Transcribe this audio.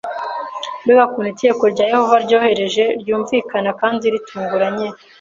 Mbega ukuntu itegeko rya Yehova ryoroheje, ryumvikana kandi ritunganye!